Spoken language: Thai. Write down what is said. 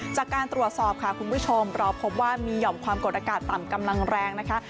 จากการตรวจสอบค่ะคุณผู้ชมเราพบว่ามีหย่อมความกดอากาศต่ำกำลังแรงนะคะ